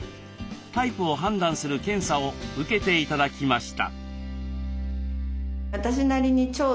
タイプを判断する検査を受けて頂きました。